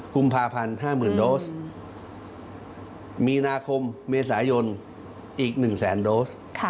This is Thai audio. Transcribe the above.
กุมภาพันธ์๕๐๐๐โดสมีนาคมเมษายนอีก๑แสนโดส